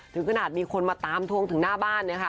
ถึงขนาดมีคนมาตามทวงถึงหน้าบ้าน